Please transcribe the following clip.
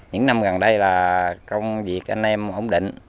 những năm gần đây là công việc anh em ổn định